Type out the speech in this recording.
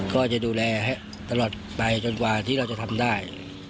ก็จะดูแลให้ตลอดไปจนกว่าที่เราจะทำได้